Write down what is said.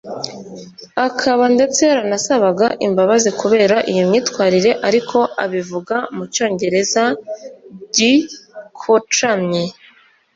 akaba ndetse yaranasabaga imbabazi kubera iyo myitwarire ariko abivuga mu cyongereza gikocamye